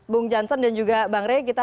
bung jansen dan juga bang rey